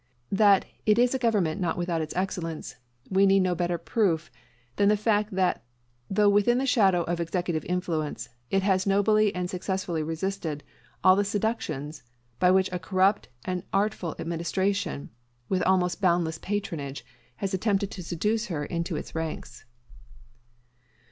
That it is a government not without its excellence, we need no better proof than the fact that though within the shadow of Executive influence, it has nobly and successfully resisted all the seductions by which a corrupt and artful Administration, with almost boundless patronage, has attempted to seduce her into its ranks.